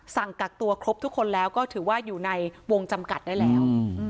สั่งกักตัวครบทุกคนแล้วก็ถือว่าอยู่ในวงจำกัดได้แล้ว